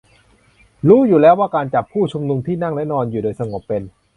รู้อยู่แล้วว่าการจับผู้ชุมนุมที่นั่งและนอนอยู่โดยสงบเป็น